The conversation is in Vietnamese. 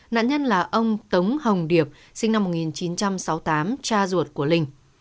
nạn nhân là ông tống hồng điệp sinh năm một nghìn chín trăm sáu mươi tám cha ruột của linh